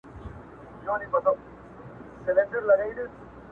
جهاني زما چي په یادیږي دا جنت وطن وو؛